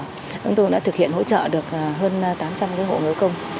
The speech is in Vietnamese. chúng tôi đã thực hiện hỗ trợ được hơn tám trăm linh hộ nghèo công